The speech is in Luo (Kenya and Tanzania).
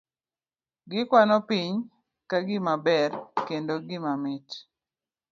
Gikwano piny ka gimaber, kendo gima mit.